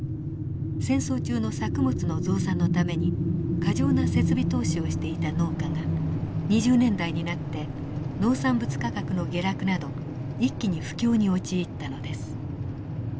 戦争中の作物の増産のために過剰な設備投資をしていた農家が２０年代になって農産物価格の下落など一気に不況に陥ったのです。